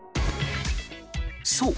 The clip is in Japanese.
そう。